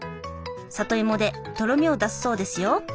里芋でとろみを出すそうですよ。